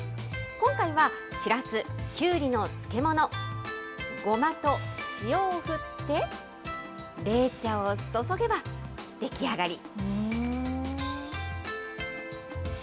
今回は、しらす、きゅうりの漬物、ごまと塩を振って、冷茶を注げば出来上がり。